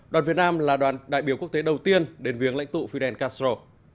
đoàn việt nam là đoàn đại biểu quốc tế đầu tiên đến viếng lãnh tụ fidel castro